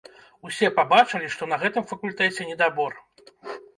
Усе пабачылі, што на гэтым факультэце недабор.